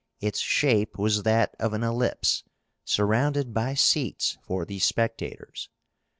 Its shape was that of an ellipse, surrounded by seats for the spectators.